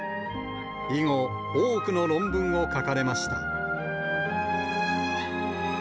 以後、多くの論文を書かれました。